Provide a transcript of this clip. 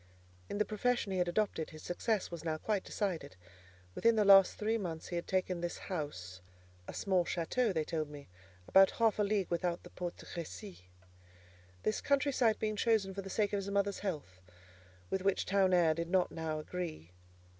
In the profession he had adopted, his success was now quite decided. Within the last three months he had taken this house (a small château, they told me, about half a league without the Porte de Crécy); this country site being chosen for the sake of his mother's health, with which town air did not now agree.